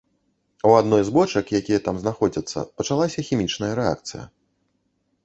У адной з бочак, якія там знаходзяцца, пачалася хімічная рэакцыя.